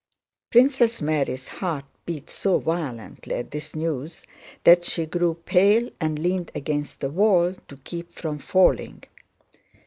Princess Mary's heart beat so violently at this news that she grew pale and leaned against the wall to keep from falling.